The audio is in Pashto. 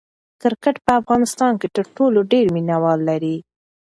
کرکټ په افغانستان کې تر ټولو ډېر مینه وال لري.